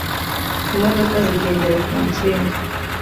imodoka zigendera ku nsinga